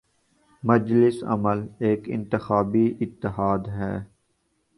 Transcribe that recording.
مجلس عمل ایک انتخابی اتحاد ہے۔